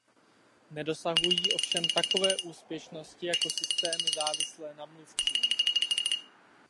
Nedosahují ovšem takové úspěšnosti jako systémy závislé na mluvčím.